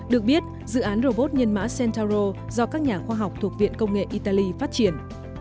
được biết dự án robot nhân mã center do các nhà khoa học thuộc viện công nghệ italy phát triển